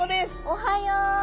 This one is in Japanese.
おはよう。